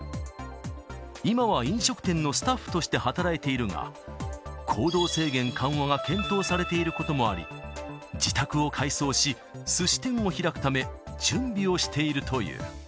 今は飲食店のスタッフとして働いているが、行動制限緩和が検討されていることもあり、自宅を改装し、すし店を開くため、準備をしているという。